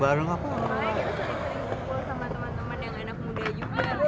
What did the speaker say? malah kita sering sering kumpul sama teman teman yang enak muda juga